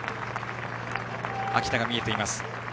秋田が見えています。